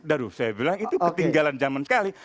aduh saya bilang itu ketinggalan zaman sekali